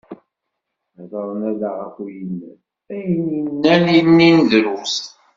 Hedren ala γef uyennat, ayen i nnan inin drus.